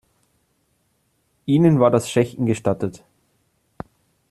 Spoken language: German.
Ihnen war das Schächten gestattet.